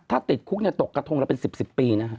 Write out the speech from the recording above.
ถ้าติดคุกนี่ตกกระทงแล้วเป็น๑๐ปีนะครับ